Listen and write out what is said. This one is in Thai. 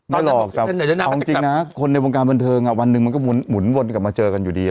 ไม่หรอกครับบางจิงนะในวงการเวินเทิงนะคะวันนึงมันก็หมุนวนกลับมาเจอกันอยู่ดี